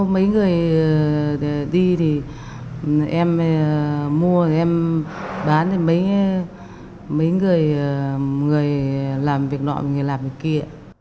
mấy người đi thì em mua em bán mấy người làm việc nọ mấy người làm việc kia